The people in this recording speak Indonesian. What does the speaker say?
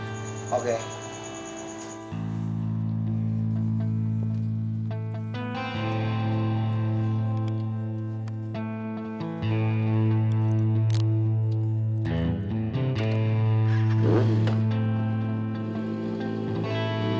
l phi tungg lancar megangan